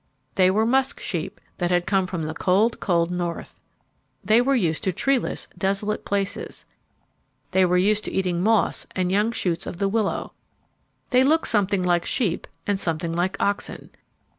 They were musk sheep that had come from the cold, cold north. They were used to treeless, desolate places. They were used to eating moss and young shoots of the willow. They looked something like sheep and something like oxen.